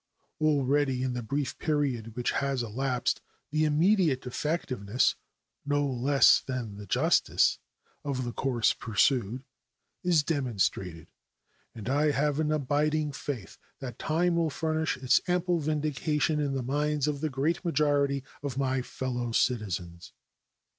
Already, in the brief period which has elapsed, the immediate effectiveness, no less than the justice, of the course pursued is demonstrated, and I have an abiding faith that time will furnish its ample vindication in the minds of the great majority of my fellow citizens.